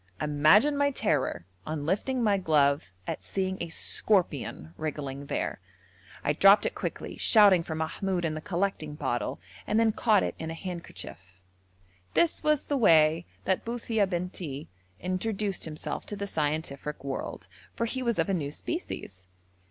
Imagine my terror on lifting my glove at seeing a scorpion wriggling there. I dropped it quickly, shouting for Mahmoud and the collecting bottle, and then caught it in a handkerchief. This was the way that Buthia Bentii introduced himself to the scientific world, for he was of a new species.